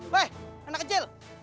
weh anak kecil